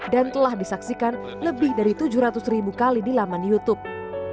dan telah disaksikan lebih dari tujuh ratus kali di laman youtube